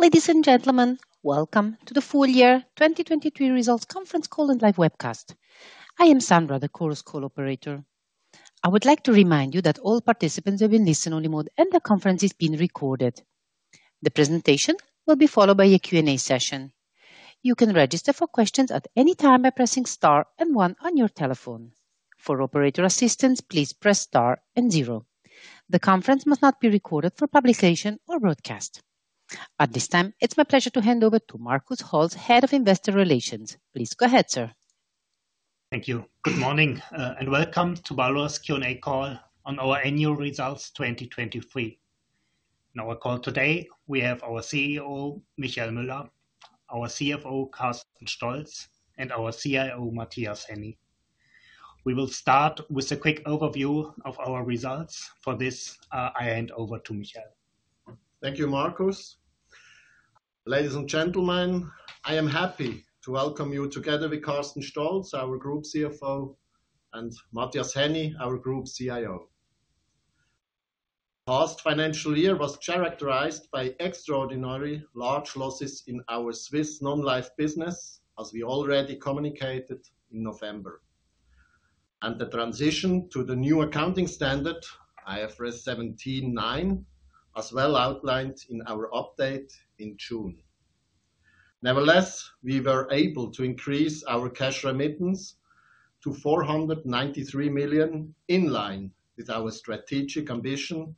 Ladies and gentlemen, welcome to the Full-year 2023 Results Conference Call and Live Webcast. I am Sandra, the Chorus Call operator. I would like to remind you that all participants have been placed in listen-only mode, and the conference is being recorded. The presentation will be followed by a Q&A session. You can register for questions at any time by pressing star and one on your telephone. For operator assistance, please press star and 0. The conference must not be recorded for publication or broadcast. At this time, it's my pleasure to hand over to Markus Holtz, Head of Investor Relations. Please go ahead, sir. Thank you. Good morning, and welcome to Baloise Q&A call on our annual results 2023. In our call today, we have our CEO, Michael Müller, our CFO, Carsten Stolz, and our CIO, Matthias Henny. We will start with a quick overview of our results. For this, I hand over to Michael. Thank you, Markus. Ladies and gentlemen, I am happy to welcome you together with Carsten Stolz, our group CFO, and Matthias Henny, our group CIO. The past financial year was characterized by extraordinarily large losses in our Swiss non-life business, as we already communicated in November, and the transition to the new accounting standard IFRS 17/9, as well outlined in our update in June. Nevertheless, we were able to increase our cash remittance to 493 million, in line with our strategic ambition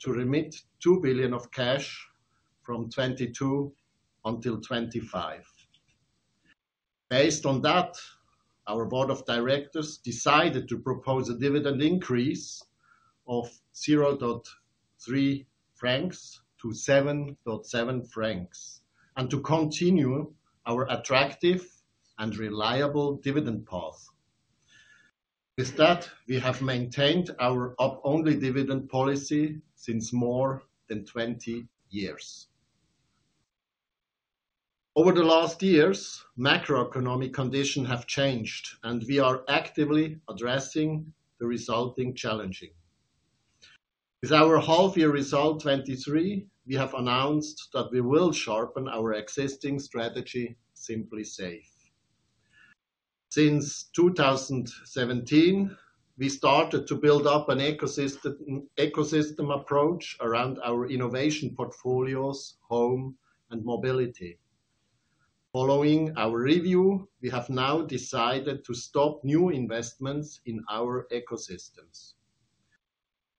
to remit 2 billion of cash from 2022 until 2025. Based on that, our board of directors decided to propose a dividend increase of 0.3 francs to 7.7 francs and to continue our attractive and reliable dividend path. With that, we have maintained our up-only dividend policy since more than 20 years. Over the last years, macroeconomic conditions have changed, and we are actively addressing the resulting challenges. With our half-year result 2023, we have announced that we will sharpen our existing strategy, Simply Safe. Since 2017, we started to build up an ecosystem approach around our innovation portfolios, home, and mobility. Following our review, we have now decided to stop new investments in our ecosystems.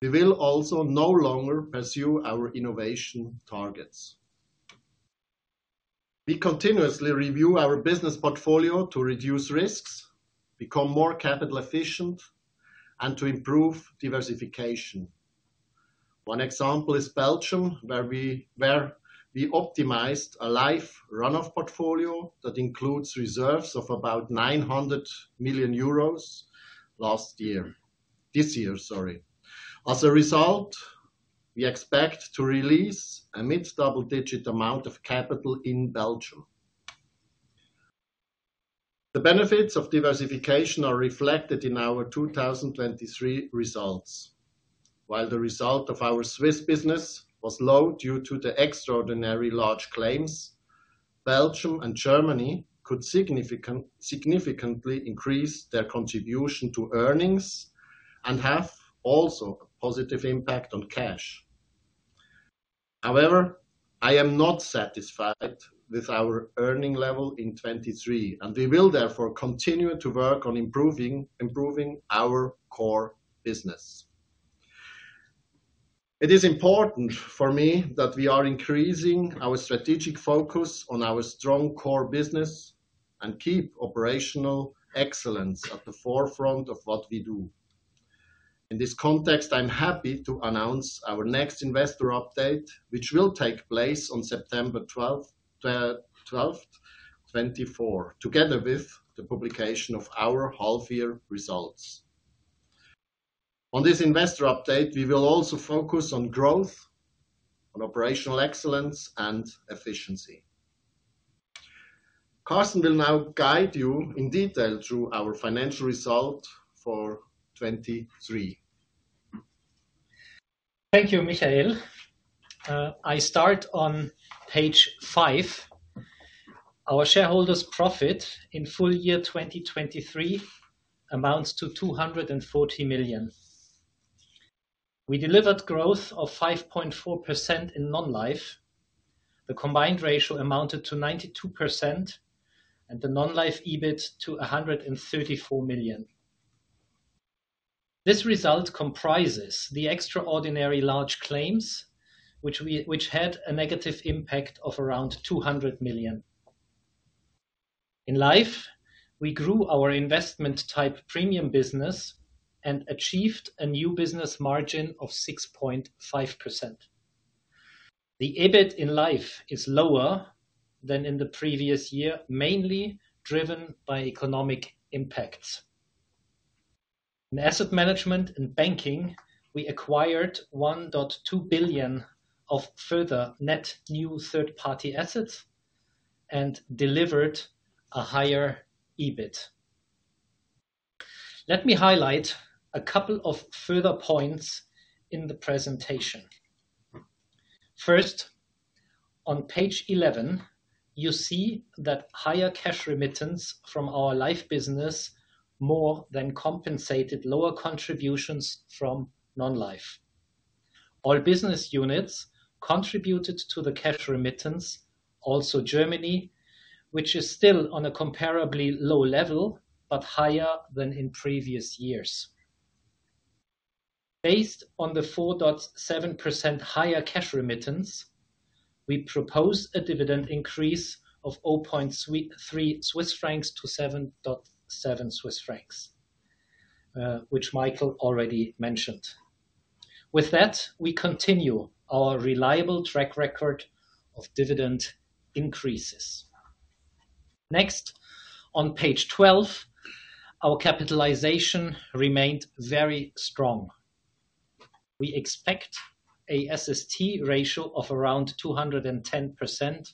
We will also no longer pursue our innovation targets. We continuously review our business portfolio to reduce risks, become more capital-efficient, and to improve diversification. One example is Belgium, where we optimized a life run-off portfolio that includes reserves of about 900 million euros last year this year, sorry. As a result, we expect to release a mid-double-digit amount of capital in Belgium. The benefits of diversification are reflected in our 2023 results. While the result of our Swiss business was low due to the extraordinarily large claims, Belgium and Germany could significantly increase their contribution to earnings and have also a positive impact on cash. However, I am not satisfied with our earning level in 2023, and we will therefore continue to work on improving our core business. It is important for me that we are increasing our strategic focus on our strong core business and keep operational excellence at the forefront of what we do. In this context, I'm happy to announce our next investor update, which will take place on September 12th, 2024, together with the publication of our half-year results. On this investor update, we will also focus on growth, on operational excellence, and efficiency. Carsten will now guide you in detail through our financial result for 2023. Thank you, Michael. I start on page 5. Our shareholders' profit in full year 2023 amounts to 240 million. We delivered growth of 5.4% in non-life. The combined ratio amounted to 92%, and the non-life EBIT to 134 million. This result comprises the extraordinarily large claims, which we had a negative impact of around 200 million. In life, we grew our investment-type premium business and achieved a new business margin of 6.5%. The EBIT in life is lower than in the previous year, mainly driven by economic impacts. In asset management and banking, we acquired 1.2 billion of further net new third-party assets and delivered a higher EBIT. Let me highlight a couple of further points in the presentation. First, on page 11, you see that higher cash remittance from our life business more than compensated lower contributions from non-life. All business units contributed to the cash remittance, also Germany, which is still on a comparably low level but higher than in previous years. Based on the 4.7% higher cash remittance, we propose a dividend increase of 0.33 Swiss francs to 7.7, which Michael already mentioned. With that, we continue our reliable track record of dividend increases. Next, on page 12, our capitalization remained very strong. We expect a SST ratio of around 210%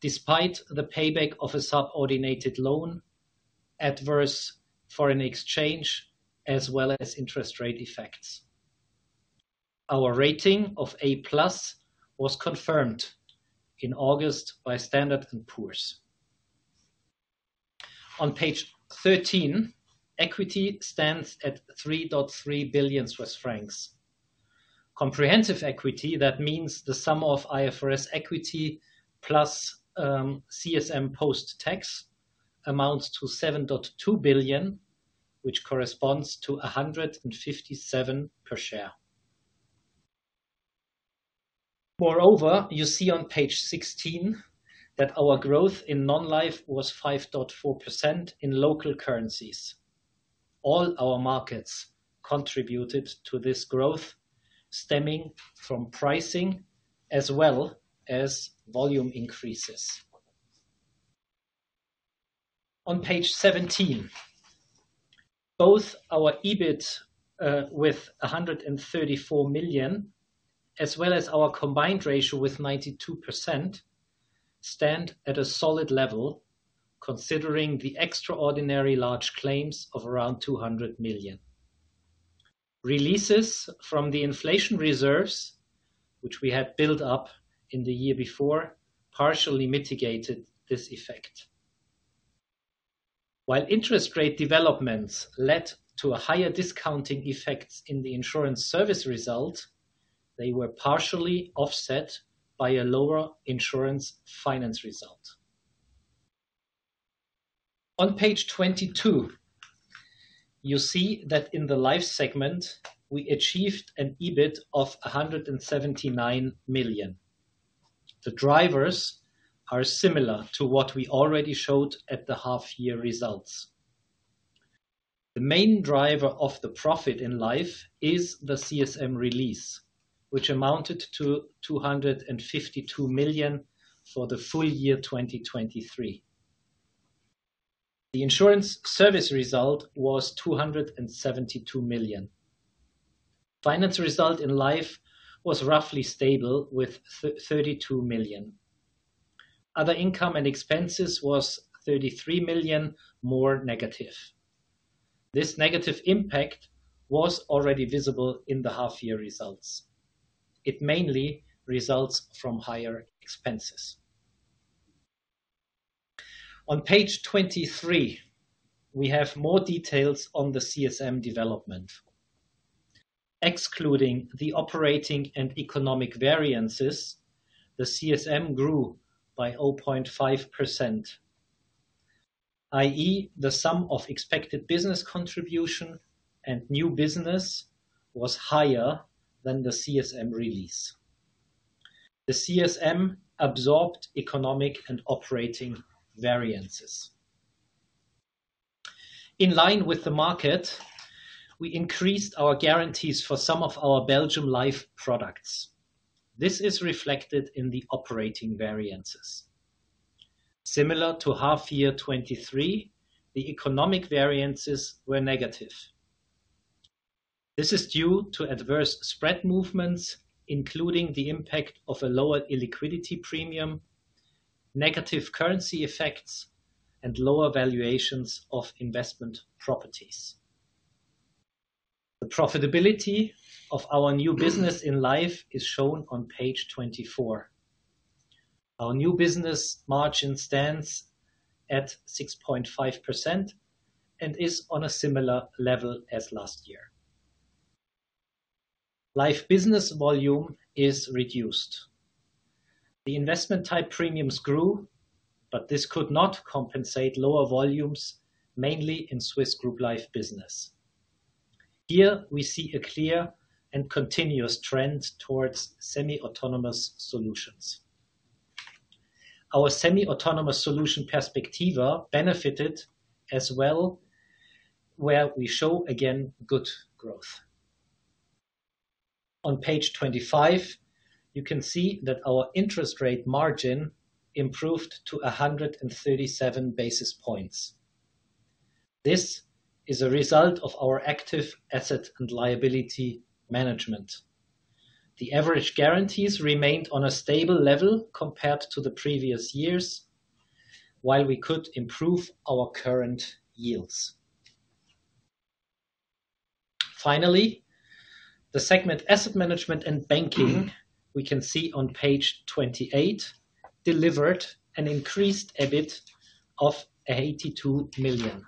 despite the payback of a subordinated loan, adverse foreign exchange, as well as interest rate effects. Our rating of A+ was confirmed in August by Standard & Poor's. On page 13, equity stands at 3.3 billion Swiss francs. Comprehensive equity, that means the sum of IFRS equity plus CSM post-tax, amounts to 7.2 billion, which corresponds to 157 per share. Moreover, you see on page 16 that our growth in non-life was 5.4% in local currencies. All our markets contributed to this growth, stemming from pricing as well as volume increases. On page 17, both our EBIT, with 134 million, as well as our combined ratio with 92%, stand at a solid level, considering the extraordinarily large claims of around 200 million. Releases from the inflation reserves, which we had built up in the year before, partially mitigated this effect. While interest rate developments led to higher discounting effects in the insurance service result, they were partially offset by a lower insurance finance result. On page 22, you see that in the life segment, we achieved an EBIT of 179 million. The drivers are similar to what we already showed at the half-year results. The main driver of the profit in life is the CSM release, which amounted to 252 million for the full year 2023. The insurance service result was 272 million. Finance result in life was roughly stable, with 32 million. Other income and expenses were 33 million, more negative. This negative impact was already visible in the half-year results. It mainly results from higher expenses. On page 23, we have more details on the CSM development. Excluding the operating and economic variances, the CSM grew by 0.5%, i.e., the sum of expected business contribution and new business was higher than the CSM release. The CSM absorbed economic and operating variances. In line with the market, we increased our guarantees for some of our Belgium life products. This is reflected in the operating variances. Similar to half-year 2023, the economic variances were negative. This is due to adverse spread movements, including the impact of a lower illiquidity premium, negative currency effects, and lower valuations of investment properties. The profitability of our new business in life is shown on page 24. Our new business margin stands at 6.5% and is on a similar level as last year. Life business volume is reduced. The investment-type premiums grew, but this could not compensate lower volumes, mainly in Swiss Group life business. Here, we see a clear and continuous trend towards semi-autonomous solutions. Our semi-autonomous solution Perspectiva benefited as well, where we show, again, good growth. On page 25, you can see that our interest rate margin improved to 137 basis points. This is a result of our active asset and liability management. The average guarantees remained on a stable level compared to the previous years, while we could improve our current yields. Finally, the segment asset management and banking, we can see on page 28, delivered an increased EBIT of 82 million.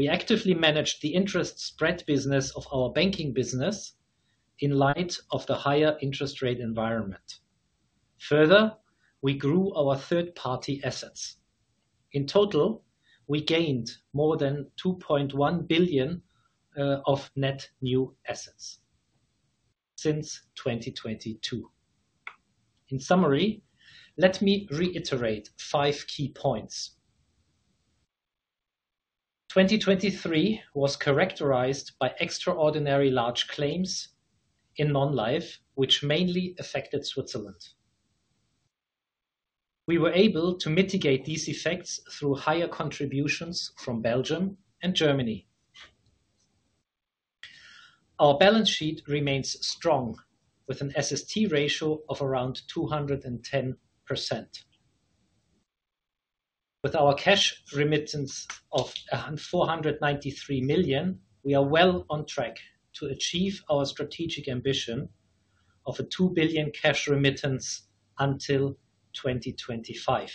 We actively managed the interest spread business of our banking business in light of the higher interest rate environment. Further, we grew our third-party assets. In total, we gained more than 2.1 billion of net new assets since 2022. In summary, let me reiterate five key points. 2023 was characterized by extraordinarily large claims in non-life, which mainly affected Switzerland. We were able to mitigate these effects through higher contributions from Belgium and Germany. Our balance sheet remains strong, with an SST ratio of around 210%. With our cash remittance of 493 million, we are well on track to achieve our strategic ambition of a 2 billion cash remittance until 2025.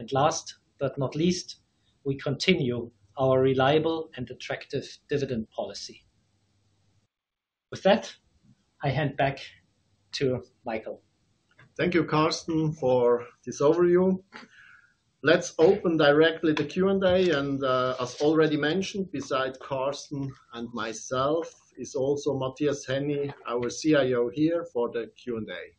And last but not least, we continue our reliable and attractive dividend policy. With that, I hand back to Michael. Thank you, Carsten, for this overview. Let's open directly the Q&A. As already mentioned, besides Carsten and myself, is also Matthias Henny, our CIO, here for the Q&A.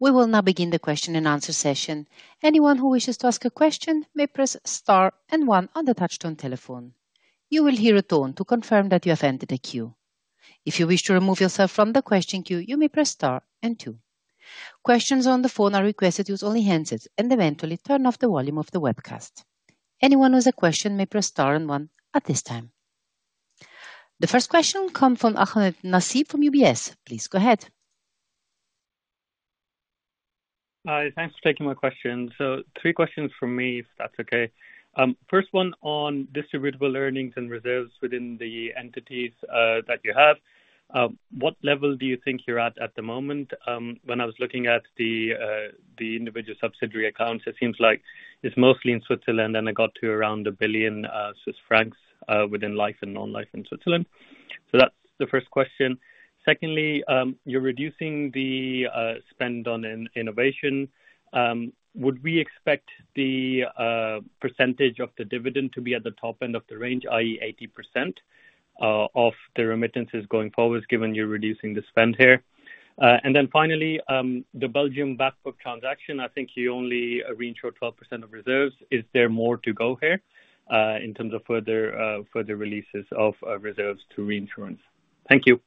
We will now begin the question-and-answer session. Anyone who wishes to ask a question may press star and one on the touch-tone telephone. You will hear a tone to confirm that you have entered a queue. If you wish to remove yourself from the question queue, you may press star and two. Questions on the phone are requested to use only handsets and eventually turn off the volume of the webcast. Anyone who has a question may press star and 1 at this time. The first question comes from Nasib Ahmed from UBS. Please go ahead. Hi. Thanks for taking my question. So, three questions from me, if that's okay. First one on distributable earnings and reserves within the entities that you have. What level do you think you're at at the moment? When I was looking at the individual subsidiary accounts, it seems like it's mostly in Switzerland, and it got to around 1 billion Swiss francs within life and non-life in Switzerland. So that's the first question. Secondly, you're reducing the spend on innovation. Would we expect the percentage of the dividend to be at the top end of the range, i.e., 80%, of the remittances going forward, given you're reducing the spend here? And then finally, the Belgium backbook transaction, I think you only reinsured 12% of reserves. Is there more to go here, in terms of further releases of reserves to reinsurance? Thank you.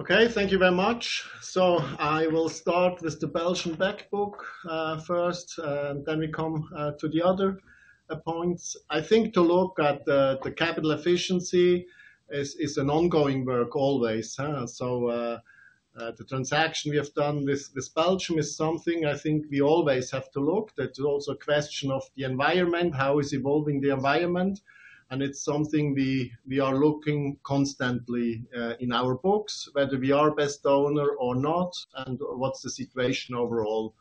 Okay. Thank you very much. So, I will start with the Belgium backbook, first, and then we come to the other points. I think to look at the capital efficiency is an ongoing work always, huh? So, the transaction we have done with Belgium is something I think we always have to look. That's also a question of the environment. How is evolving the environment? And it's something we are looking constantly in our books, whether we are best owner or not, and what's the situation overall.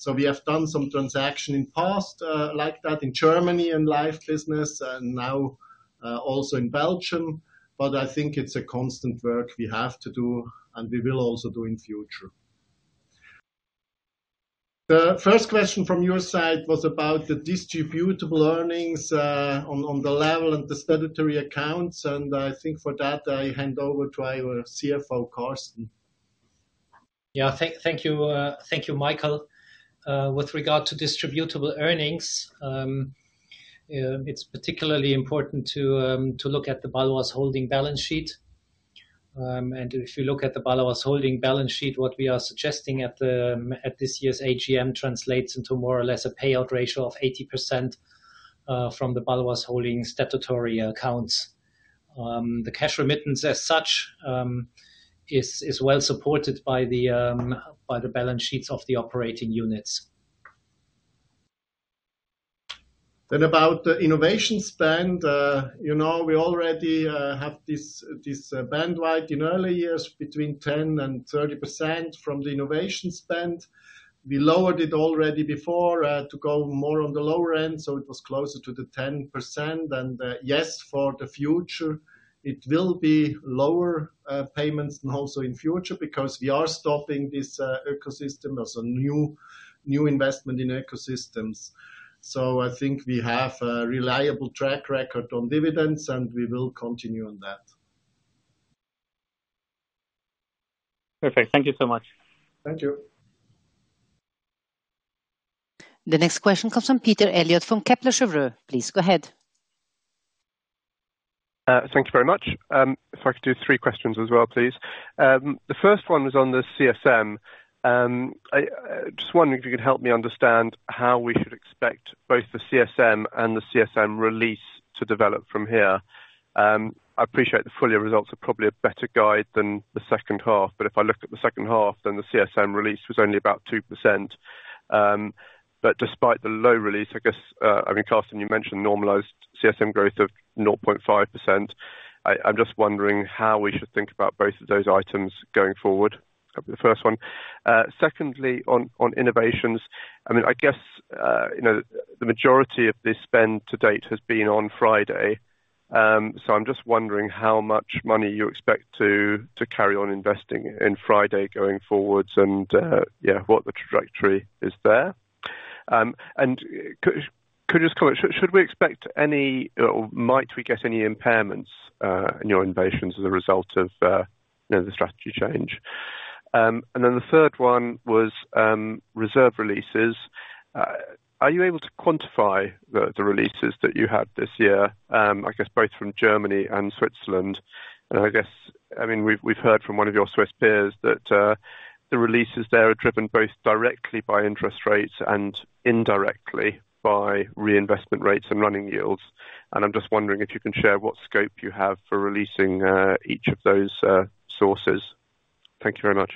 So, we have done some transaction in the past, like that in Germany and life business, and now, also in Belgium. But I think it's a constant work we have to do, and we will also do in the future. The first question from your side was about the distributable earnings, on the level and the statutory accounts. I think for that, I hand over to our CFO, Carsten. Yeah. Thank you. Thank you, Michael. With regard to distributable earnings, it's particularly important to look at the Bâloise Holding balance sheet. If you look at the Bâloise Holding balance sheet, what we are suggesting at this year's AGM translates into more or less a payout ratio of 80%, from the Bâloise Holding statutory accounts. The cash remittance as such is well supported by the balance sheets of the operating units. Then about the innovation spend, you know, we already have this bandwidth in early years between 10%-30% from the innovation spend. We lowered it already before, to go more on the lower end, so it was closer to the 10%. And, yes, for the future, it will be lower payments and also in the future because we are stopping this ecosystem as a new investment in ecosystems. So, I think we have a reliable track record on dividends, and we will continue on that. Perfect. Thank you so much. Thank you. The next question comes from Peter Eliot from Kepler Cheuvreux. Please go ahead. Thank you very much. If I could do three questions as well, please. The first one was on the CSM. I'm just wondering if you could help me understand how we should expect both the CSM and the CSM release to develop from here. I appreciate the full year results are probably a better guide than the H2. But if I look at the H2, then the CSM release was only about 2%. But despite the low release, I guess, I mean, Carsten, you mentioned normalized CSM growth of 0.5%. I'm just wondering how we should think about both of those items going forward. That'd be the first one. Secondly, on innovations, I mean, I guess, you know, the majority of this spend to date has been on FRIDAY. So I'm just wondering how much money you expect to carry on investing in FRIDAY going forwards and, yeah, what the trajectory is there. Could you just comment? Should we expect any, or might we get any impairments, in your innovations as a result of, you know, the strategy change? Then the third one was reserve releases. Are you able to quantify the releases that you had this year, I guess, both from Germany and Switzerland? And I guess, I mean, we've heard from one of your Swiss peers that the releases there are driven both directly by interest rates and indirectly by reinvestment rates and running yields. And I'm just wondering if you can share what scope you have for releasing each of those sources. Thank you very much.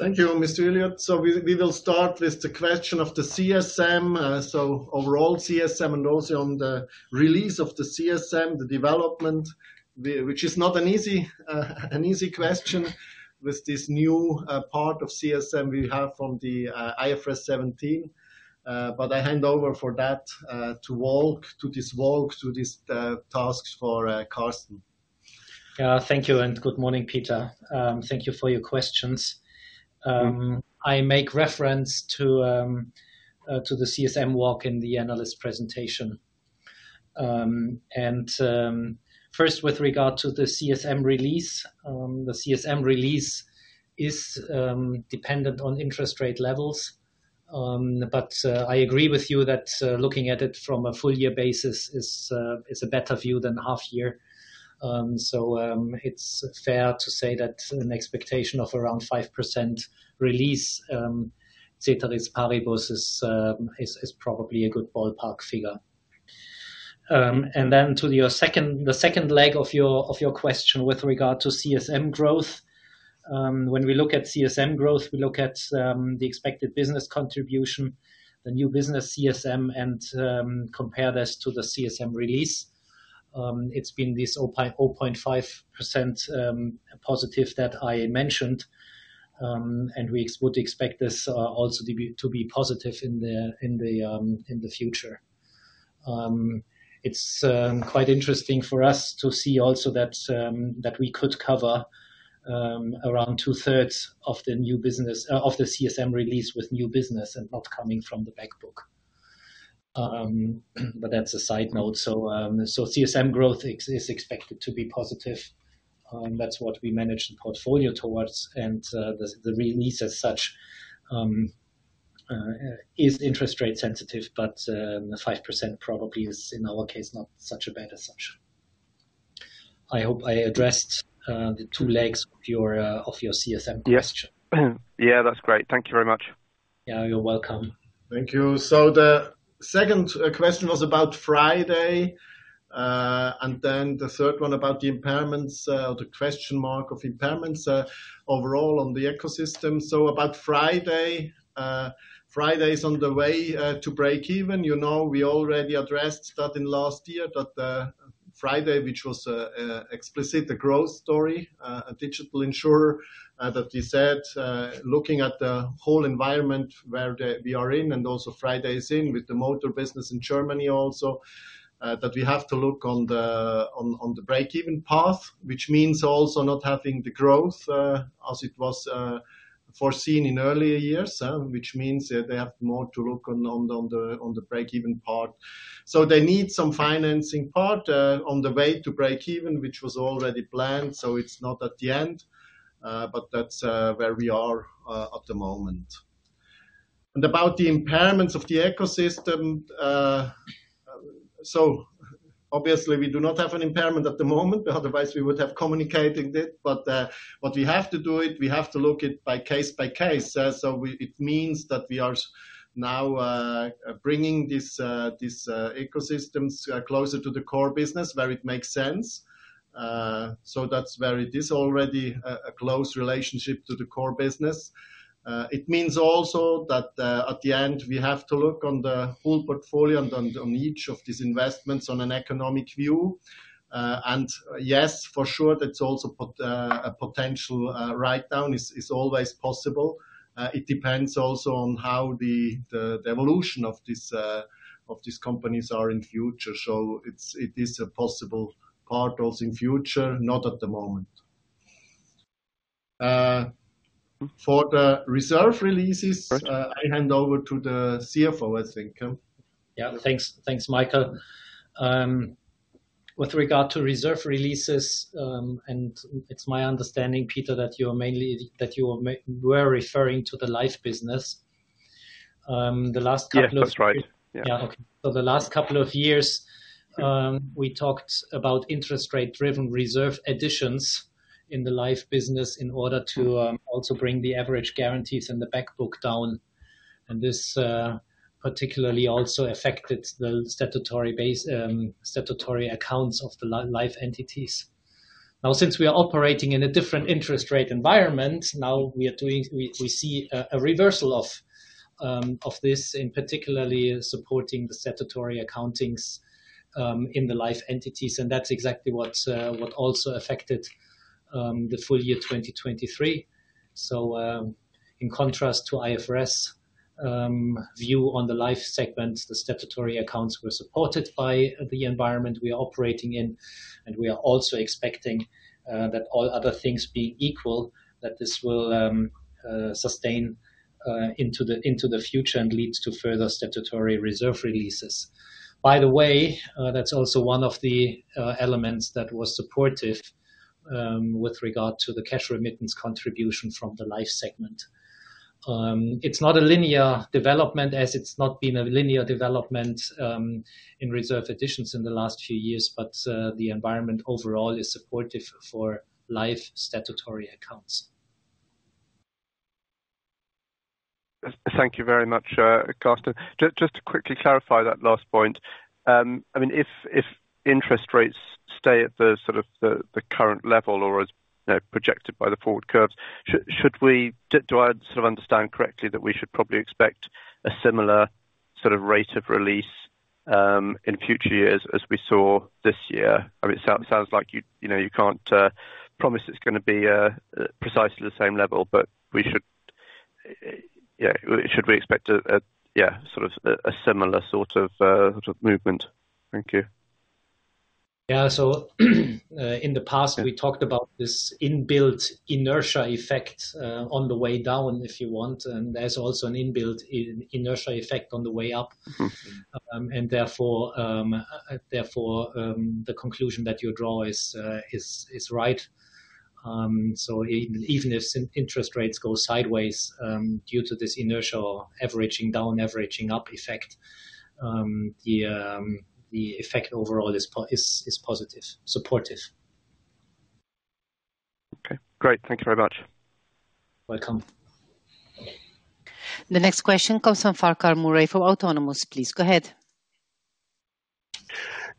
Thank you, Mr. Eliot. So, we will start with the question of the CSM, so overall CSM and also on the release of the CSM, the development, which is not an easy question with this new part of CSM we have from the IFRS 17. But I hand over for that to Carsten. Yeah. Thank you. And good morning, Peter. Thank you for your questions. I make reference to the CSM Walk in the analyst presentation. And, first, with regard to the CSM release, the CSM release is dependent on interest rate levels. But, I agree with you that looking at it from a full-year basis is a better view than half-year. So, it's fair to say that an expectation of around 5% release, ceteris paribus, is probably a good ballpark figure. And then to your second—the second leg of your question—with regard to CSM growth, when we look at CSM growth, we look at the expected business contribution, the new business CSM, and compare this to the CSM release. It's been this 0.5% positive that I mentioned. And we would expect this also to be positive in the future. It's quite interesting for us to see also that we could cover around two-thirds of the new business of the CSM release with new business and not coming from the backbook. But that's a side note. So CSM growth is expected to be positive. That's what we manage the portfolio towards. And the release as such is interest rate sensitive, but 5% probably is, in our case, not such a bad as such. I hope I addressed the two legs of your CSM question. Yes. Yeah. That's great. Thank you very much. Yeah. You're welcome. Thank you. So, the second question was about FRIDAY, and then the third one about the impairments, or the question of impairments, overall on the ecosystem. So, about FRIDAY, FRIDAY is on the way to break even. You know, we already addressed that in last year, that FRIDAY, which was an explicit growth story, a digital insurer, that we said, looking at the whole environment where we are in and also FRIDAY is in with the motor business in Germany also, that we have to look on the break-even path, which means also not having the growth, as it was foreseen in earlier years, huh, which means that they have more to look on the break-even part. So, they need some financing, on the way to break even, which was already planned. So, it's not at the end. but that's where we are at the moment. About the impairments of the ecosystem, so obviously, we do not have an impairment at the moment. Otherwise, we would have communicated it. What we have to do it, we have to look at by case by case. So it means that we are now bringing this ecosystems closer to the core business where it makes sense. So that's where it is already a close relationship to the core business. It means also that at the end we have to look on the whole portfolio and on each of these investments on an economic view. And yes, for sure, that's also a potential write-down is always possible. It depends also on how the evolution of these companies are in the future. So, it is a possible part also in the future, not at the moment. For the reserve releases, I hand over to the CFO, I think, huh? Yeah. Thanks. Thanks, Michael. With regard to reserve releases, and it's my understanding, Peter, that you're mainly referring to the life business. The last couple of. Yeah. That's right. Yeah. Yeah. Okay. So, the last couple of years, we talked about interest rate-driven reserve additions in the life business in order to also bring the average guarantees and the backbook down. And this particularly also affected the statutory-based statutory accounts of the life entities. Now, since we are operating in a different interest rate environment, we see a reversal of this, particularly supporting the statutory accountings in the life entities. And that's exactly what also affected the full year 2023. So, in contrast to IFRS view on the life segment, the statutory accounts were supported by the environment we are operating in. And we are also expecting that all other things being equal, that this will sustain into the future and lead to further statutory reserve releases. By the way, that's also one of the elements that was supportive with regard to the cash remittance contribution from the life segment. It's not a linear development as it's not been a linear development in reserve additions in the last few years, but the environment overall is supportive for life statutory accounts. Thank you very much, Carsten. Just to quickly clarify that last point. I mean, if interest rates stay at the sort of the current level or as, you know, projected by the forward curves, should, should we do I sort of understand correctly that we should probably expect a similar sort of rate of release in future years as we saw this year? I mean, it sounds like you, you know, you can't promise it's going to be precisely the same level, but we should, yeah, should we expect a, a yeah, sort of a, a similar sort of, sort of movement? Thank you. Yeah. So, in the past, we talked about this inbuilt inertia effect, on the way down, if you want. And there's also an inbuilt inertial effect on the way up. Therefore, the conclusion that you draw is right. So, even if interest rates go sideways, due to this inertia or averaging down, averaging up effect, the effect overall is positive, supportive. Okay. Great. Thank you very much. Welcome. The next question comes from Farquhar Murray for Autonomous, please. Go ahead.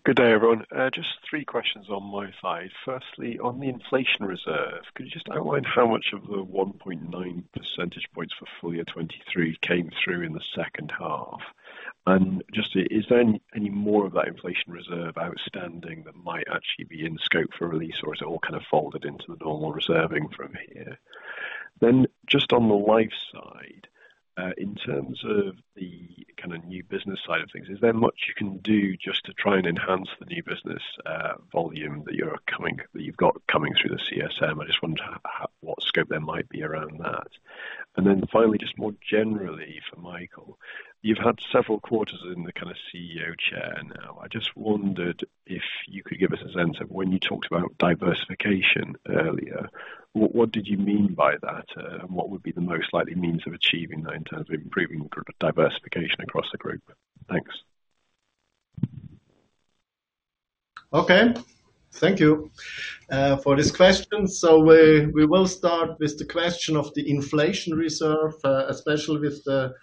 Good day, everyone. Just three questions on my side. Firstly, on the inflation reserve, could you just outline how much of the 1.9 percentage points for full year 2023 came through in the H2? And just is there any more of that inflation reserve outstanding that might actually be in scope for release, or is it all kind of folded into the normal reserving from here? Then, just on the life side, in terms of the kind of new business side of things, is there much you can do just to try and enhance the new business volume that you've got coming through the CSM? I just wondered how what scope there might be around that. And then finally, just more generally for Michael, you've had several quarters in the kind of CEO chair now. I just wondered if you could give us a sense of when you talked about diversification earlier, what, what did you mean by that, and what would be the most likely means of achieving that in terms of improving group diversification across the group? Thanks. Okay. Thank you for this question. So, we will start with the question of the inflation reserve, especially with the,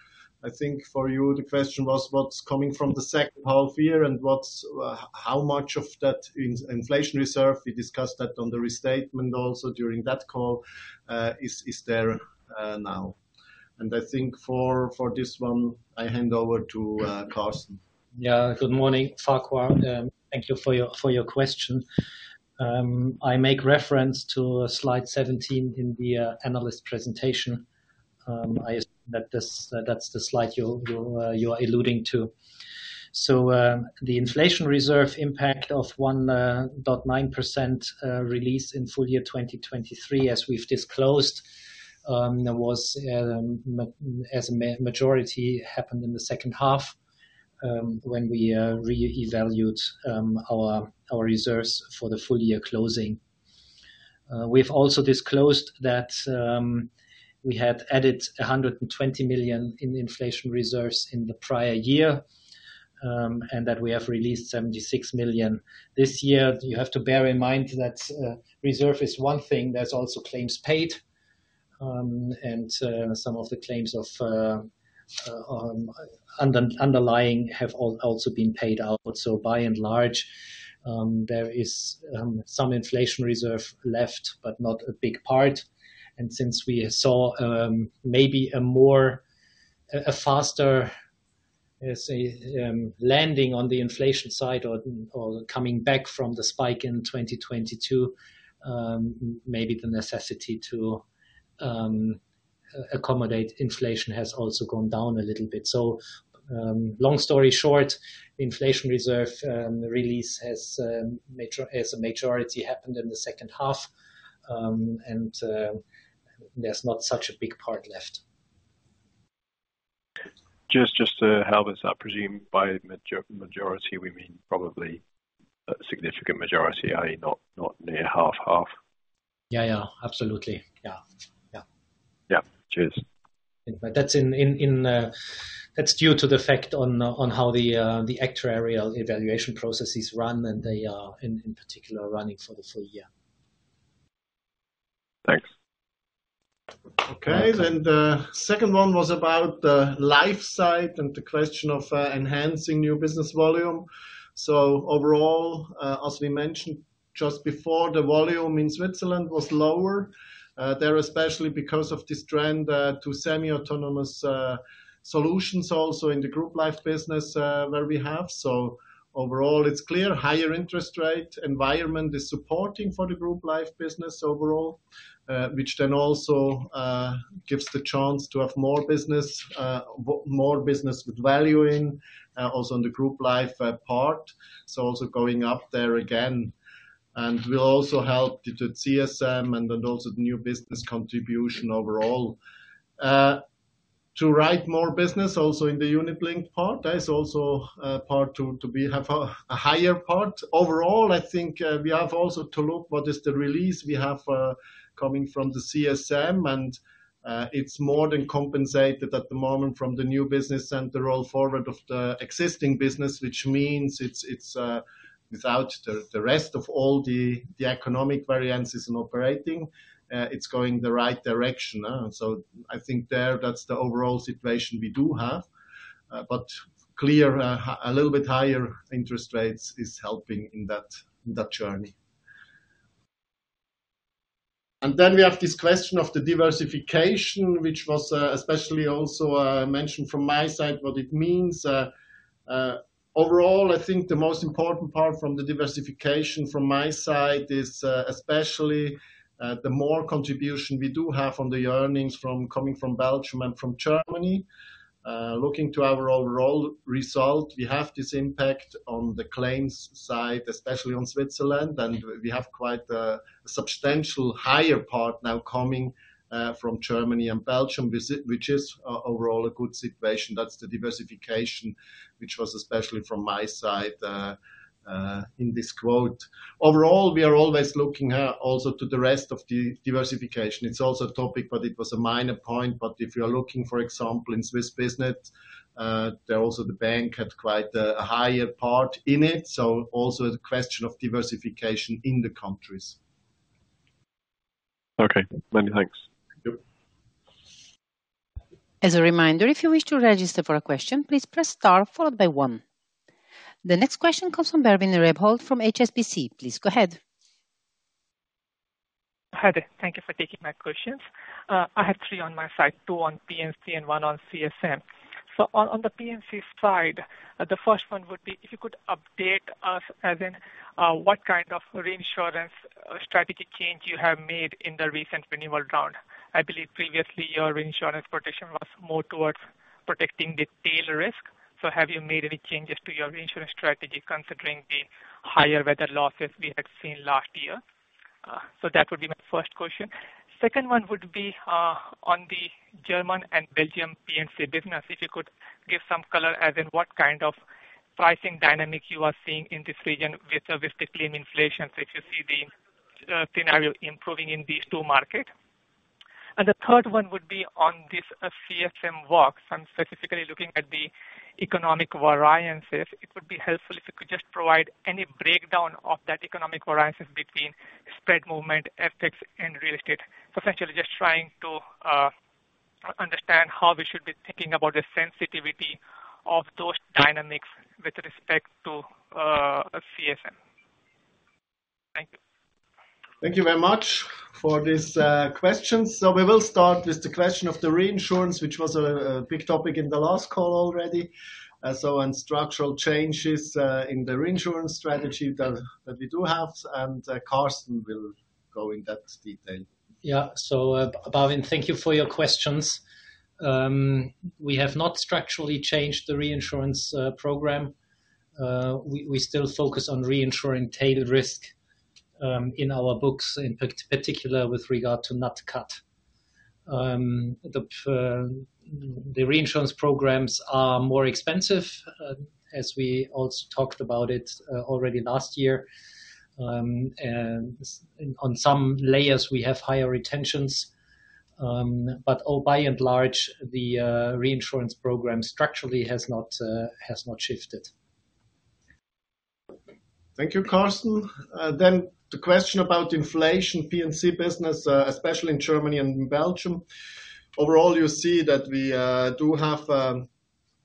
I think, for you, the question was what's coming from the H2 year and what's how much of that inflation reserve we discussed that on the restatement also during that call, is there now. And I think for this one, I hand over to Carsten. Yeah. Good morning, Farquhar. Thank you for your question. I make reference to slide 17 in the analyst presentation. I assume that that's the slide you're alluding to. So, the inflation reserve impact of 1.9% release in full year 2023, as we've disclosed, was, as a majority happened in the H2, when we re-evaluated our reserves for the full year closing. We've also disclosed that we had added 120 million in inflation reserves in the prior year, and that we have released 76 million this year. You have to bear in mind that reserve is one thing. There's also claims paid. And some of the claims of underlying have also been paid out. So, by and large, there is some inflation reserve left but not a big part. Since we saw maybe a more faster, let's say, landing on the inflation side or coming back from the spike in 2022, maybe the necessity to accommodate inflation has also gone down a little bit. So, long story short, inflation reserve release has majorly, as a majority, happened in the H2, and there's not such a big part left. Just to help us out, presume by majority we mean probably a significant majority, i.e., not near half. Yeah. Yeah. Absolutely. Yeah. Yeah. Yeah. Cheers. But that's due to the fact on how the actuarial evaluation processes run, and they are, in particular, running for the full year. Thanks. Okay. Then, the second one was about the life side and the question of enhancing new business volume. So, overall, as we mentioned just before, the volume in Switzerland was lower, there especially because of this trend to semi-autonomous solutions also in the group life business, where we have. So, overall, it's clear higher interest rate environment is supporting for the group life business overall, which then also gives the chance to have more business, more business with value in, also on the group life part. So, also going up there again and will also help the CSM and also the new business contribution overall to write more business also in the unit-linked part, that is also part to have a higher part. Overall, I think we have also to look what is the release we have coming from the CSM. And, it's more than compensated at the moment from the new business and the roll forward of the existing business, which means it's without the rest of the economic variances and operating, it's going the right direction, huh? So, I think that's the overall situation we do have. But clearly, a little bit higher interest rates is helping in that journey. And then we have this question of the diversification, which was especially also mentioned from my side, what it means. Overall, I think the most important part from the diversification from my side is especially the more contribution we do have on the earnings from coming from Belgium and from Germany. Looking to our overall result, we have this impact on the claims side, especially on Switzerland. We have quite a substantial higher part now coming from Germany and Belgium, which is overall a good situation. That's the diversification, which was especially from my side, in this quote. Overall, we are always looking also to the rest of the diversification. It's also a topic, but it was a minor point. But if you are looking, for example, in Swiss business, there also the bank had quite a higher part in it. So, also a question of diversification in the countries. Okay. Many thanks. Yep. As a reminder, if you wish to register for a question, please press star followed by one. The next question comes from [Thomas Fossard] from HSBC. Please go ahead. Hi there. Thank you for taking my questions. I have three on my side, two on P&C and one on CSM. So, on the P&C side, the first one would be if you could update us as in what kind of reinsurance strategy change you have made in the recent renewal round. I believe previously, your reinsurance protection was more towards protecting the tail risk. So, have you made any changes to your reinsurance strategy considering the higher weather losses we had seen last year? So that would be my first question. Second one would be on the Germany and Belgium P&C business, if you could give some color as in what kind of pricing dynamic you are seeing in this region with the claim inflation, so if you see the scenario improving in these two markets. And the third one would be on this CSM walks. I'm specifically looking at the economic variances. It would be helpful if you could just provide any breakdown of that economic variances between spread movement, FX, and real estate. So, essentially, just trying to, understand how we should be thinking about the sensitivity of those dynamics with respect to, CSM. Thank you. Thank you very much for these questions. So, we will start with the question of the reinsurance, which was a big topic in the last call already, so, and structural changes in the reinsurance strategy that we do have. And, Carsten will go into that detail. Yeah. So, [Thomas], thank you for your questions. We have not structurally changed the reinsurance program. We still focus on reinsuring tail risk in our books, in particular with regard to Nat Cat. The reinsurance programs are more expensive, as we also talked about it already last year. And in on some layers, we have higher retentions. But by and large, the reinsurance program structurally has not shifted. Thank you, Carsten. Then the question about inflation, P&C business, especially in Germany and in Belgium. Overall, you see that we do have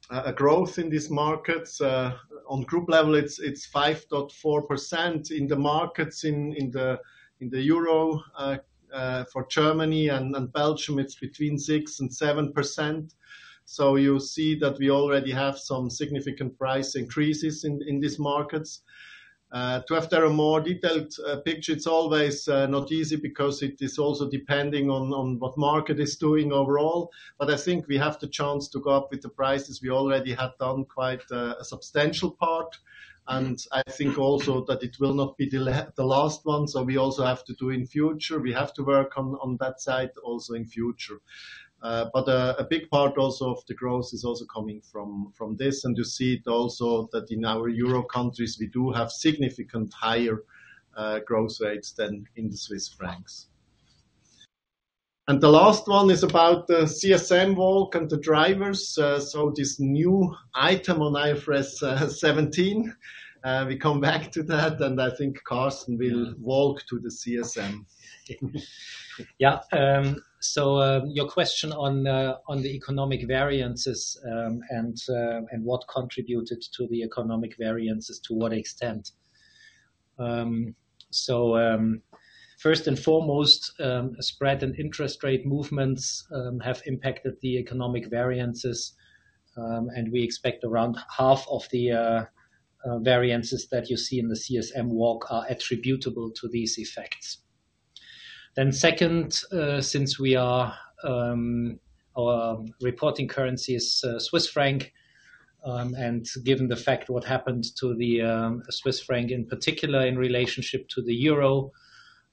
a growth in these markets. On group level, it's 5.4% in the markets in the euro, for Germany and Belgium, it's between 6%-7%. So, you see that we already have some significant price increases in these markets. To have there a more detailed picture, it's always not easy because it is also depending on what market is doing overall. But I think we have the chance to go up with the prices. We already had done quite a substantial part. And I think also that it will not be the last one. So, we also have to do in future. We have to work on that side also in future. But a big part also of the growth is also coming from this. And you see it also that in our Euro countries, we do have significant higher growth rates than in the Swiss francs. And the last one is about the CSM walk and the drivers, so this new item on IFRS 17. We come back to that, and I think Carsten will walk to the CSM. Yeah. So, your question on the economic variances and what contributed to the economic variances, to what extent? So, first and foremost, spread and interest rate movements have impacted the economic variances. And we expect around half of the variances that you see in the CSM walk are attributable to these effects. Then, second, since our reporting currency is the Swiss franc, and given the fact what happened to the Swiss franc in particular in relationship to the euro,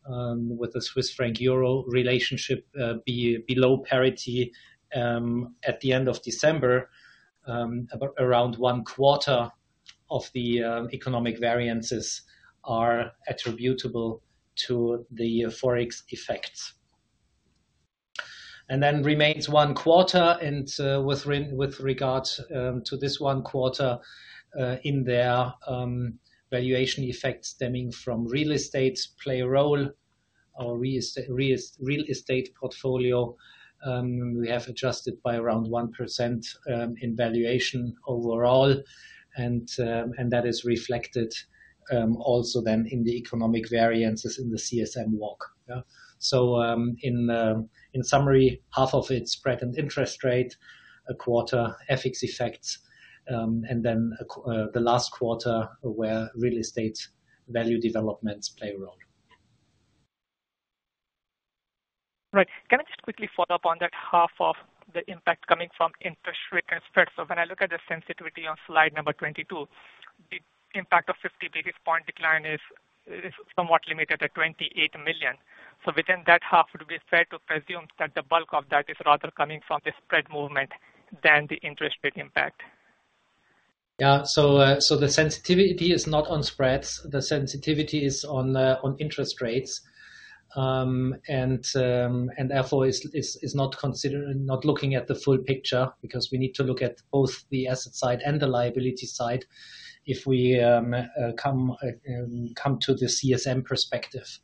with the Swiss franc-euro relationship below parity at the end of December, around one quarter of the economic variances are attributable to the forex effects. And then remains one quarter. And with regard to this one quarter, valuation effects stemming from real estate play a role. Our real estate portfolio, we have adjusted by around 1% in valuation overall. And that is reflected, also then in the economic variances in the CSM walk, yeah? So, in summary, half of it spread and interest rate, a quarter FX effects, and then a quarter the last quarter where real estate value developments play a role. Right. Can I just quickly follow up on that half of the impact coming from interest rate and spread? So, when I look at the sensitivity on slide 22, the impact of 50 basis point decline is somewhat limited at 28 million. So, within that half, would we fair to presume that the bulk of that is rather coming from the spread movement than the interest rate impact? Yeah. So the sensitivity is not on spreads. The sensitivity is on interest rates. And therefore, it's not considering the full picture because we need to look at both the asset side and the liability side if we come to the CSM perspective.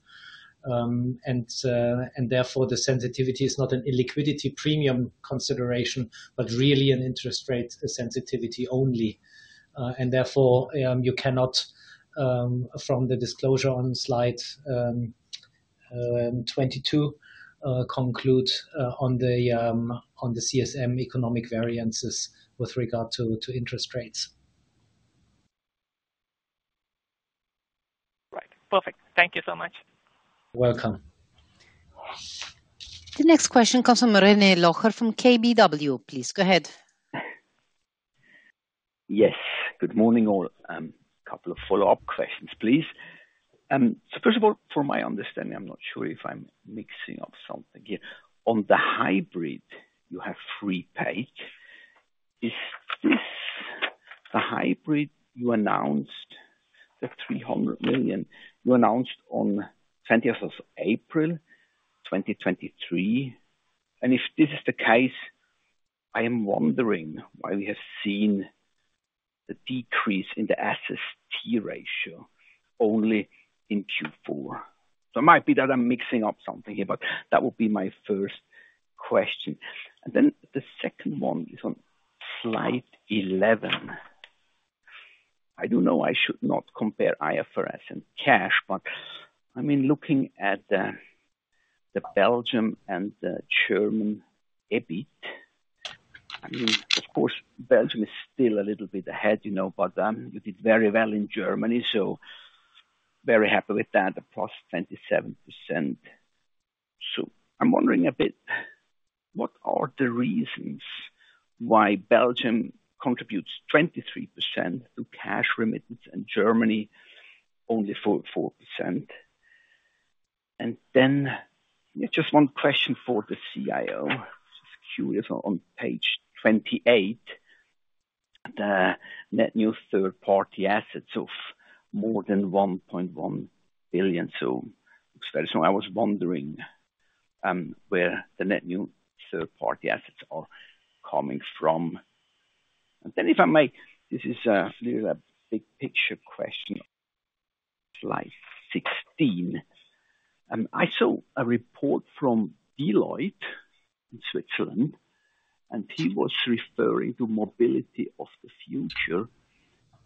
And therefore, the sensitivity is not an illiquidity premium consideration but really an interest rate sensitivity only. And therefore, you cannot from the disclosure on slide 22 conclude on the CSM economic variances with regard to interest rates. Right. Perfect. Thank you so much. Welcome. The next question comes from René Locher from KBW. Please go ahead. Yes. Good morning, all. Couple of follow-up questions, please. So, first of all, from my understanding, I'm not sure if I'm mixing up something here. On the hybrid, you have free paid. Is this the hybrid you announced the 300 million you announced on 20th of April, 2023? And if this is the case, I am wondering why we have seen a decrease in the SST ratio only in Q4. So, it might be that I'm mixing up something here, but that would be my first question. And then the second one is on slide 11. I do know I should not compare IFRS and cash, but, I mean, looking at the Belgian and the German EBIT, I mean, of course, Belgium is still a little bit ahead, you know, but, you did very well in Germany, so very happy with that, +27%. So, I'm wondering a bit what are the reasons why Belgium contributes 23% to cash remittance and Germany only 44%. And then, yeah, just one question for the CIO. Just curious, on page 28, the net new third-party assets of more than 1.1 billion. So, it looks very so I was wondering, where the net new third-party assets are coming from. And then, if I may, this is really a big picture question on slide 16. I saw a report from Deloitte in Switzerland, and he was referring to mobility of the future.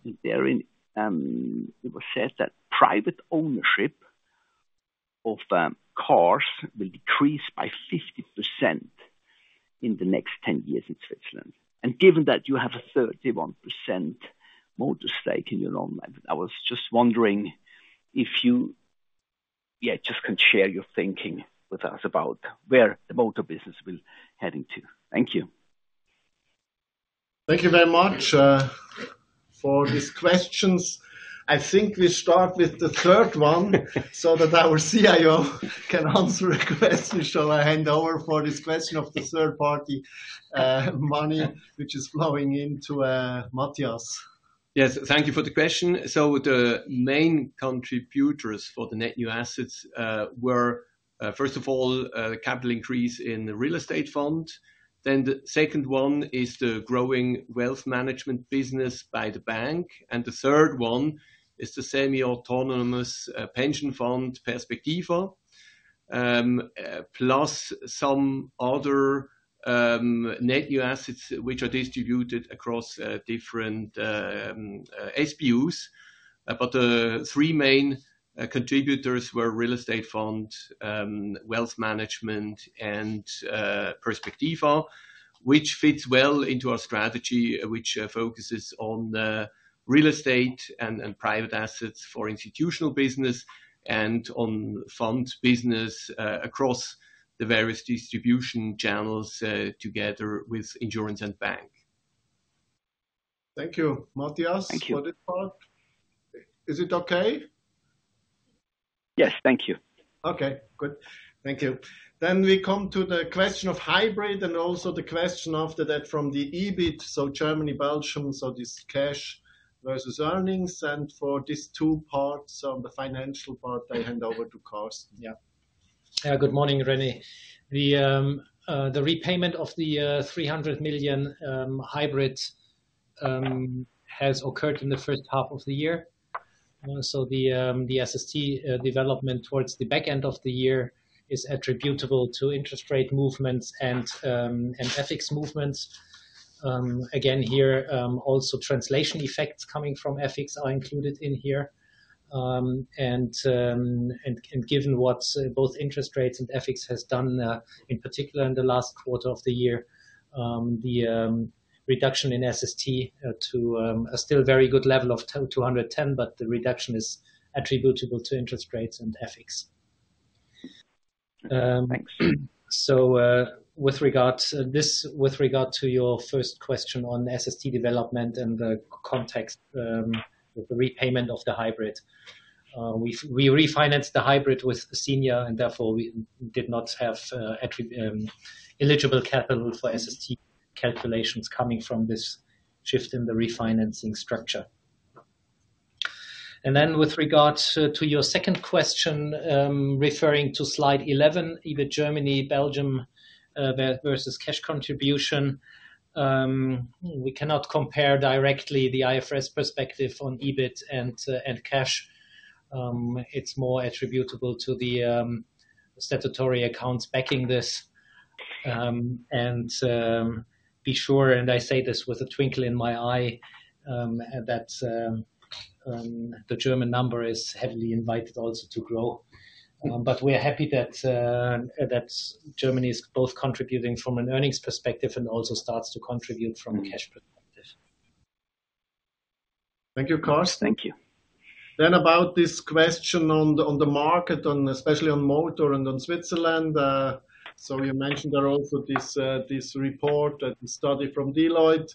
And there in, it was said that private ownership of cars will decrease by 50% in the next 10 years in Switzerland. Given that you have a 31% motor stake in your non-life, I was just wondering if you, yeah, just can share your thinking with us about where the motor business will be heading to. Thank you. Thank you very much for these questions. I think we start with the third one so that our CIO can answer a question. Shall I hand over for this question of the third-party money, which is flowing into, Matthias? Yes. Thank you for the question. So, the main contributors for the net new assets were, first of all, the capital increase in the real estate fund. Then the second one is the growing wealth management business by the bank. And the third one is the semi-autonomous pension fund, Perspectiva, plus some other net new assets, which are distributed across different SBUs. But the three main contributors were real estate fund, wealth management, and Perspectiva, which fits well into our strategy, which focuses on real estate and private assets for institutional business and on fund business across the various distribution channels, together with insurance and bank. Thank you, Matthias. Thank you. For this part. Is it okay? Yes. Thank you. Okay. Good. Thank you. Then we come to the question of hybrid and also the question after that from the EBIT, so Germany, Belgium, so this cash versus earnings. For these two parts, the financial part, I hand over to Carsten. Yeah. Yeah. Good morning, René. The repayment of the 300 million hybrid has occurred in the H1 of the year. So the SST development towards the back end of the year is attributable to interest rate movements and FX movements. Again, here, also translation effects coming from FX are included in here. And given what both interest rates and FX has done, in particular in the last quarter of the year, the reduction in SST to a still very good level of 210, but the reduction is attributable to interest rates and FX. Thanks. With regard to your first question on SST development and the context, with the repayment of the hybrid, we've refinanced the hybrid with senior, and therefore, we did not have available eligible capital for SST calculations coming from this shift in the refinancing structure. And then, with regard to your second question, referring to slide 11, EBIT Germany, Belgium versus cash contribution, we cannot compare directly the IFRS perspective on EBIT and cash. It's more attributable to the statutory accounts backing this. And be assured, I say this with a twinkle in my eye, that the German number is heavily invested also to grow. But we are happy that Germany is both contributing from an earnings perspective and also starts to contribute from a cash perspective. Thank you, Carsten. Thank you. Then about this question on the market, especially on motor and on Switzerland, so you mentioned there also this report, the study from Deloitte.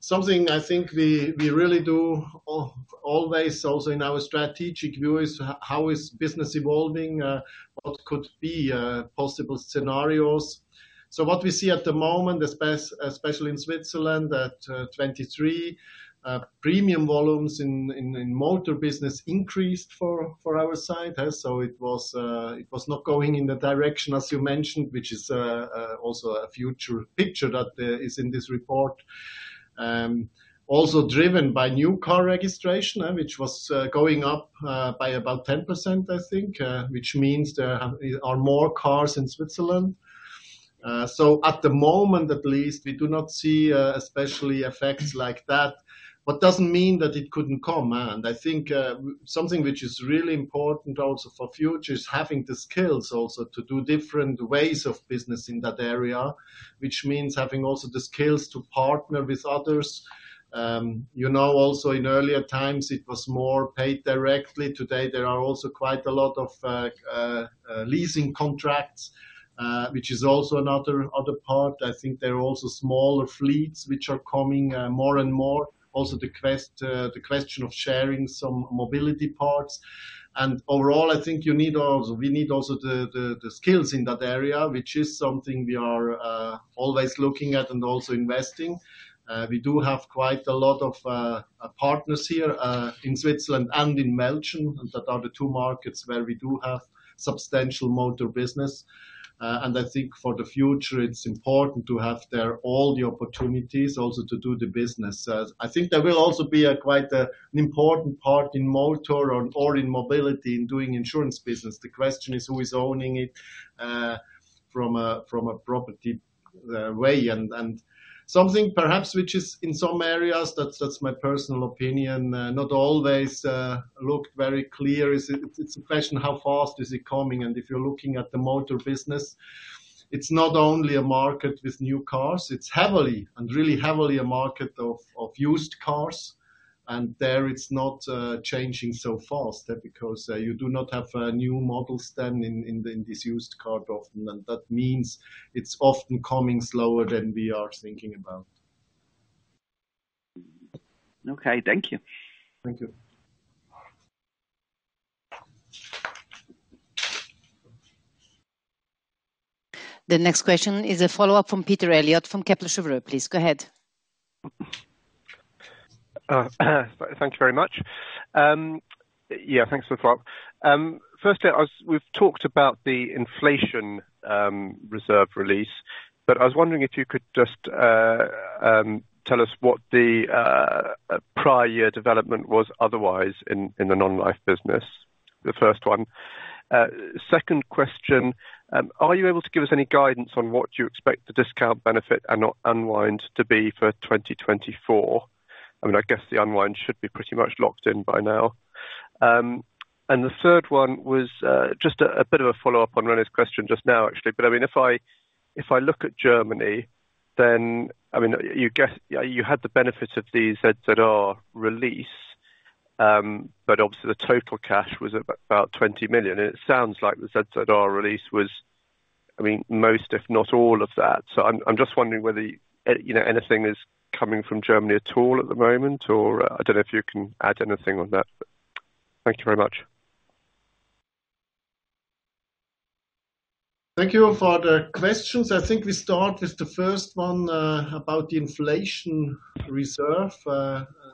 Something I think we really do always also in our strategic view is how is business evolving, what could be possible scenarios. So, what we see at the moment, especially in Switzerland, at 2023, premium volumes in motor business increased for our side. So, it was not going in the direction, as you mentioned, which is also a future picture that is in this report, also driven by new car registration, which was going up by about 10%, I think, which means there are more cars in Switzerland. So, at the moment, at least, we do not see especially effects like that. But it doesn't mean that it couldn't come. And I think something which is really important also for future is having the skills also to do different ways of business in that area, which means having also the skills to partner with others. You know, also, in earlier times, it was more paid directly. Today, there are also quite a lot of leasing contracts, which is also another other part. I think there are also smaller fleets, which are coming more and more. Also, the question of sharing some mobility parts. And overall, I think you need also we need also the skills in that area, which is something we are always looking at and also investing. We do have quite a lot of partners here in Switzerland and in Belgium, and that are the two markets where we do have substantial motor business. I think, for the future, it's important to have there all the opportunities also to do the business. I think there will also be quite an important part in motor or in mobility in doing insurance business. The question is who is owning it, from a property way. Something perhaps which is in some areas, that's my personal opinion, not always looked very clear is it's a question how fast is it coming? And if you're looking at the motor business, it's not only a market with new cars. It's heavily and really heavily a market of used cars. And there, it's not changing so fast, because you do not have new models then in these used cars often. And that means it's often coming slower than we are thinking about. Okay. Thank you. Thank you. The next question is a follow-up from Peter Eliot from Kepler Cheuvreux. Please go ahead. Thank you very much. Yeah, thanks for the follow-up. Firstly, as we've talked about the inflation reserve release, but I was wondering if you could just tell us what the prior year development was otherwise in the non-life business, the first one. Second question, are you able to give us any guidance on what you expect the discount benefit and not unwind to be for 2024? I mean, I guess the unwind should be pretty much locked in by now. And the third one was just a bit of a follow-up on René's question just now, actually. But, I mean, if I look at Germany, then, I mean, you guess you had the benefit of the ZZR release, but obviously, the total cash was about 20 million. And it sounds like the ZZR release was, I mean, most, if not all, of that. So, I'm just wondering whether you know, anything is coming from Germany at all at the moment, or, I don't know if you can add anything on that. But thank you very much. Thank you for the questions. I think we start with the first one, about the inflation reserve,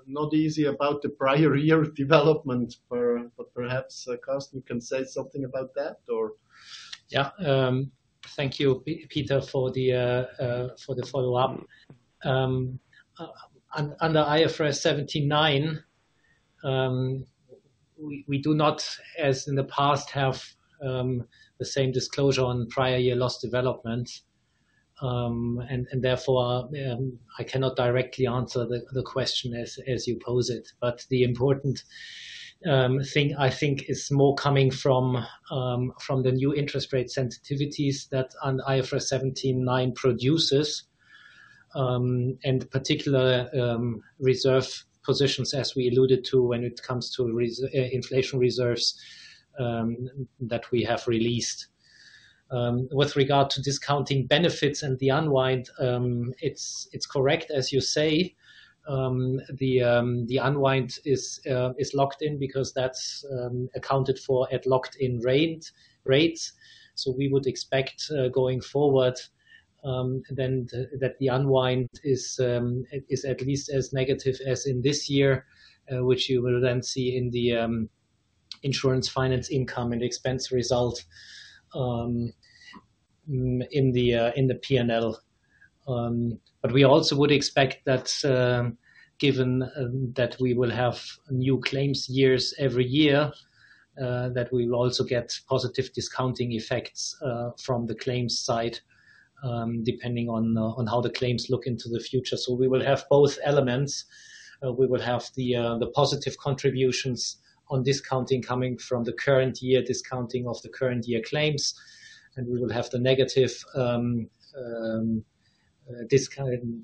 not easy about the prior year development. But perhaps, Carsten, you can say something about that, or? Yeah. Thank you, Peter, for the follow-up. Under IFRS 17/9, we do not, as in the past, have the same disclosure on prior year loss development. And therefore, I cannot directly answer the question as you pose it. But the important thing, I think, is more coming from the new interest rate sensitivities that under IFRS 17/9 produces, and particular reserve positions, as we alluded to, when it comes to inflation reserves that we have released. With regard to discounting benefits and the unwind, it's correct, as you say. The unwind is locked in because that's accounted for at locked-in rates. So, we would expect, going forward, then that the unwind is at least as negative as in this year, which you will then see in the insurance finance income and expense result, in the P&L. But we also would expect that, given that we will have new claims years every year, that we will also get positive discounting effects, from the claims side, depending on how the claims look into the future. So, we will have both elements. We will have the positive contributions on discounting coming from the current year, discounting of the current year claims. And we will have the negative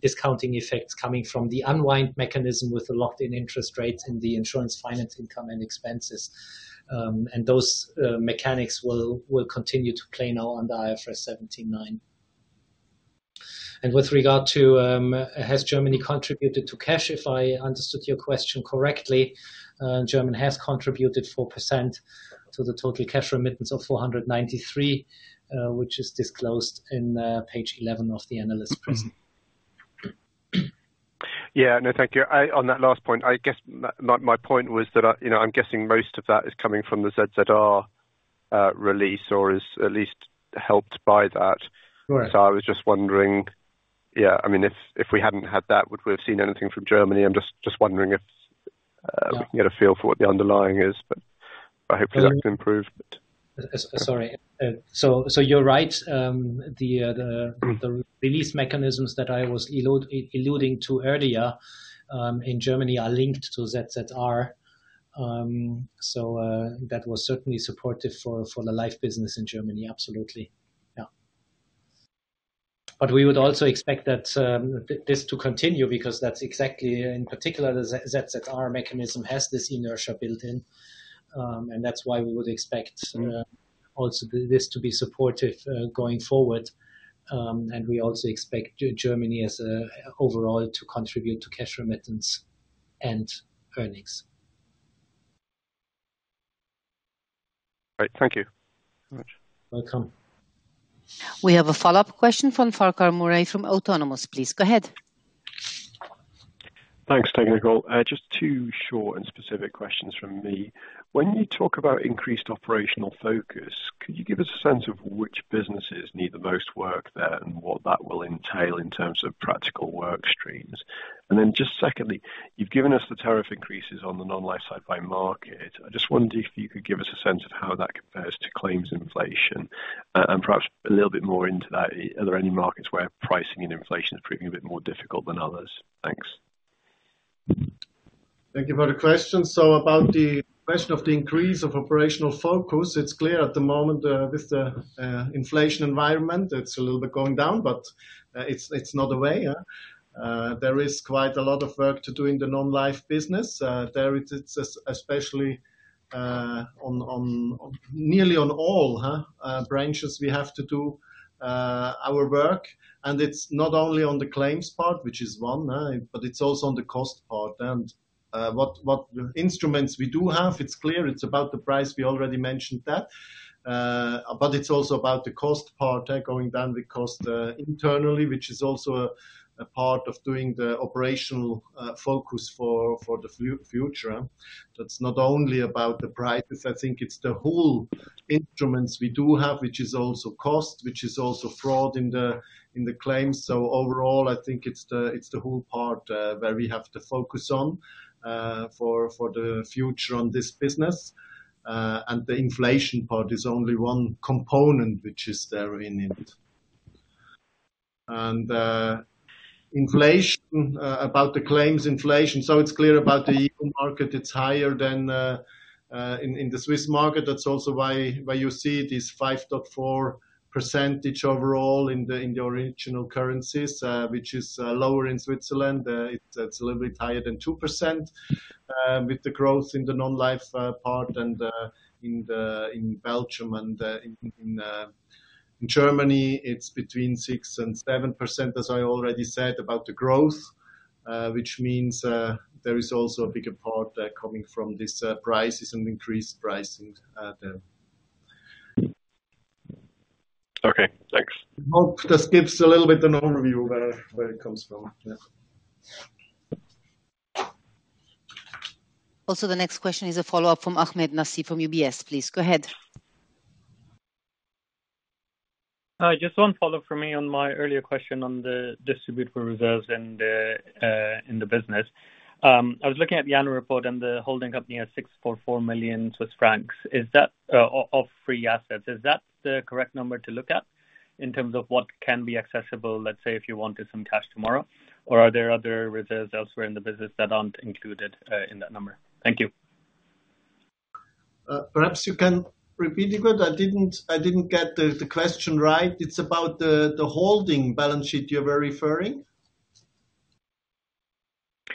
discounting effects coming from the unwind mechanism with the locked-in interest rates in the insurance finance income and expenses. And those mechanics will continue to play now under IFRS 17/9. With regard to, has Germany contributed to cash, if I understood your question correctly, Germany has contributed 4% to the total cash remittance of 493, which is disclosed in page 11 of the analyst press. Yeah. No, thank you. I, on that last point, I guess my point was that I, you know, I'm guessing most of that is coming from the ZZR release or is at least helped by that. Correct. So, I was just wondering, yeah, I mean, if we hadn't had that, would we have seen anything from Germany? I'm just wondering if we can get a feel for what the underlying is. But hopefully, that can improve. Sorry. So, you're right. The release mechanisms that I was alluding to earlier in Germany are linked to ZZR. So, that was certainly supportive for the life business in Germany. Absolutely. Yeah. But we would also expect that this to continue because that's exactly, in particular, the ZZR mechanism has this inertia built in. And that's why we would expect also this to be supportive going forward. And we also expect Germany as overall to contribute to cash remittance and earnings. All right. Thank you very much. Welcome. We have a follow-up question from Farquhar Murray from Autonomous Research. Please go ahead. Thanks, Michael. Just two short and specific questions from me. When you talk about increased operational focus, could you give us a sense of which businesses need the most work there and what that will entail in terms of practical work streams? And then, just secondly, you've given us the tariff increases on the non-life side by market. I just wondered if you could give us a sense of how that compares to claims inflation, and perhaps a little bit more into that. Are there any markets where pricing and inflation is proving a bit more difficult than others? Thanks. Thank you for the question. So, about the question of the increase of operational focus, it's clear at the moment, with the inflation environment, it's a little bit going down, but it's not away. There is quite a lot of work to do in the non-life business. There it's especially on nearly all branches we have to do our work. And it's not only on the claims part, which is one, but it's also on the cost part. And what instruments we have, it's clear it's about the price. We already mentioned that. But it's also about the cost part going down because internally, which is also a part of doing the operational focus for the future. That's not only about the prices. I think it's the whole instruments we do have, which is also cost, which is also fraud in the claims. So, overall, I think it's the whole part, where we have to focus on, for the future on this business. And the inflation part is only one component, which is there in it. And, inflation, about the claims inflation, so it's clear about the EU market, it's higher than in the Swiss market. That's also why you see this 5.4% overall in the original currencies, which is lower in Switzerland. It's a little bit higher than 2%, with the growth in the non-life part. And in Belgium and in Germany, it's between 6%-7%, as I already said, about the growth, which means there is also a bigger part coming from this, prices and increased pricing there. Okay. Thanks. I hope this gives a little bit an overview where it comes from. Yeah. Also, the next question is a follow-up from Nasib Ahmed from UBS. Please go ahead. Hi. Just one follow-up from me on my earlier question on the distribution of reserves in the business. I was looking at the annual report, and the holding company has 644 million Swiss francs. Is that of free assets? Is that the correct number to look at in terms of what can be accessible, let's say, if you wanted some cash tomorrow? Or are there other reserves elsewhere in the business that aren't included in that number? Thank you. Perhaps you can repeat it, but I didn't get the question right. It's about the holding balance sheet you're referring?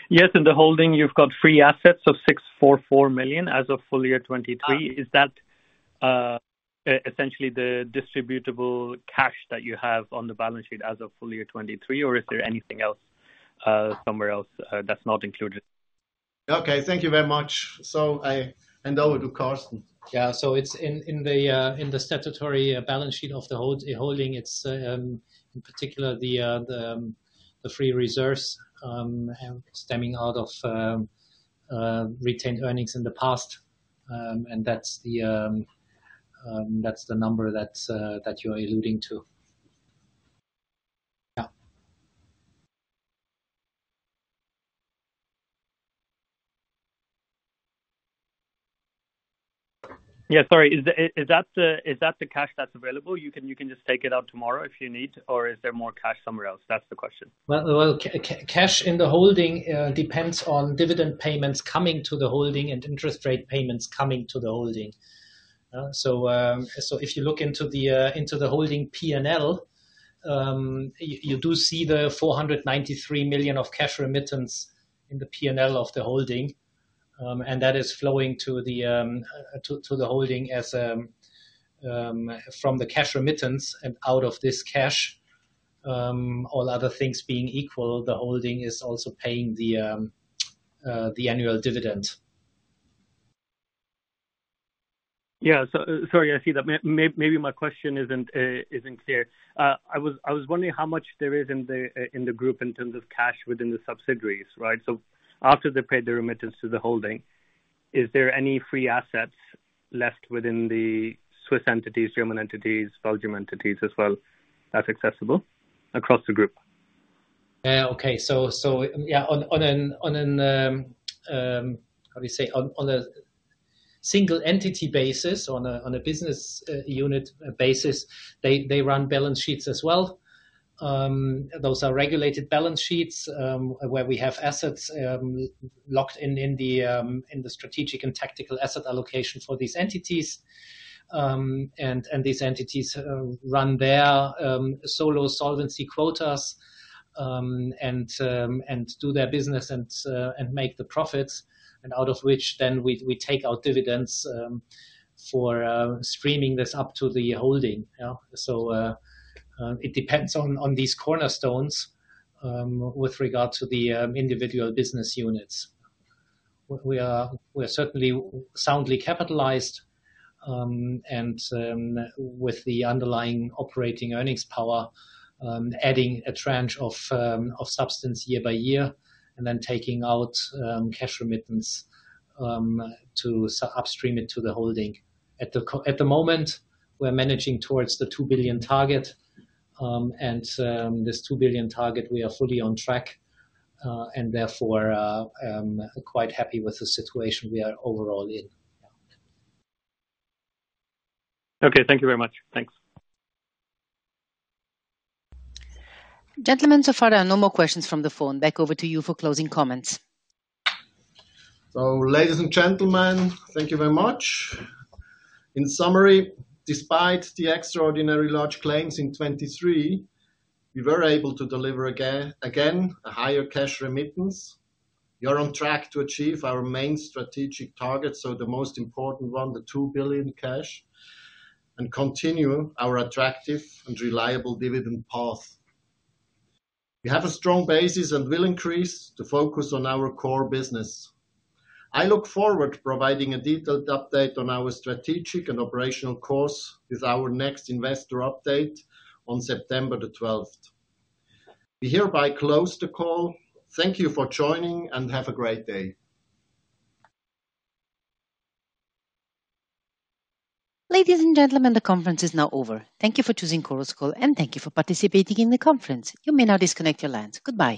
Yes. In the holding, you've got free assets of 644 million as of full year 2023. Is that essentially the distributable cash that you have on the balance sheet as of full year 2023, or is there anything else, somewhere else, that's not included? Okay. Thank you very much. I hand over to Carsten. Yeah. So, it's in the statutory balance sheet of the holding. It's, in particular, the free reserves stemming out of retained earnings in the past. And that's the number that's that you're alluding to. Yeah. Yeah. Sorry. Is that the cash that's available? You can just take it out tomorrow if you need, or is there more cash somewhere else? That's the question. Well, cash in the holding depends on dividend payments coming to the holding and interest rate payments coming to the holding. So if you look into the holding P&L, you do see the 493 million of cash remittance in the P&L of the holding. And that is flowing to the holding as from the cash remittance and out of this cash, all other things being equal, the holding is also paying the annual dividend. Yeah. So, sorry, I see that. Maybe my question isn't clear. I was wondering how much there is in the group in terms of cash within the subsidiaries, right? So, after they pay their remittance to the holding, is there any free assets left within the Swiss entities, German entities, Belgian entities as well that's accessible across the group? Okay. So, yeah, on a single entity basis, on a business unit basis, they run balance sheets as well. Those are regulated balance sheets, where we have assets locked in the strategic and tactical asset allocation for these entities. And these entities run their solo solvency quotas, and do their business and make the profits, and out of which, then, we take out dividends for streaming this up to the holding, yeah? So, it depends on these cornerstones with regard to the individual business units. We are certainly soundly capitalized, and with the underlying operating earnings power, adding a tranche of substance year by year and then taking out cash remittance to upstream it to the holding. At the moment, we're managing towards the 2 billion target. This 2 billion target, we are fully on track, and therefore, quite happy with the situation we are overall in. Yeah. Okay. Thank you very much. Thanks. Gentlemen, so far, there are no more questions from the phone. Back over to you for closing comments. So, ladies and gentlemen, thank you very much. In summary, despite the extraordinary large claims in 2023, we were able to deliver again, again, a higher cash remittance. We are on track to achieve our main strategic target, so the most important one, the 2 billion cash, and continue our attractive and reliable dividend path. We have a strong basis and will increase the focus on our core business. I look forward to providing a detailed update on our strategic and operational course with our next investor update on September the 12th. We hereby close the call. Thank you for joining, and have a great day. Ladies and gentlemen, the conference is now over. Thank you for choosing Chorus Call, and thank you for participating in the conference. You may now disconnect your lines. Goodbye.